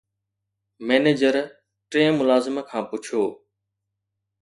manager ٽئين ملازم کان پڇيو